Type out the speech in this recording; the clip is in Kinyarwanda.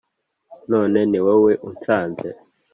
none ni wowe unsanze